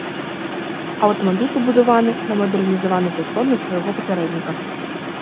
Аўтамабіль пабудаваны на мадэрнізаванай платформе свайго папярэдніка.